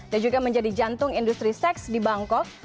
dan juga menjadi jantung industri seks di bangkok